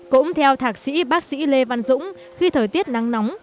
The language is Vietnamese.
cũng theo thạc sĩ bác sĩ lê văn dũng khi thời tiết nắng nóng